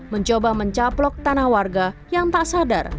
mencoba mencaplok tanah warga yang tak sadar